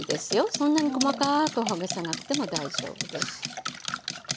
そんなに細かくほぐさなくても大丈夫です。